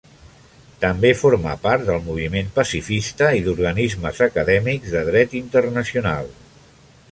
També forma part del moviment pacifista i d'organismes acadèmics de dret internacional.